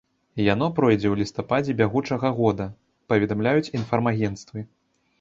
Яно пройдзе ў лістападзе бягучага года, паведамляюць інфармагенцтвы.